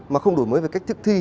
mà không đổi mới về cách thức thi